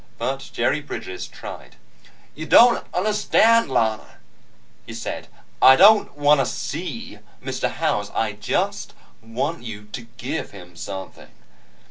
But Jerry Bridges tried. "You don't understand, Lana," he said. "I don't want to see Mr. Howells. I just want you to give him something."